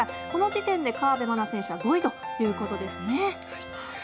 この時点で河辺愛菜選手は５位ということですね。